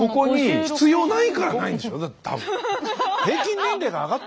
必要ないからないんでしょだって多分。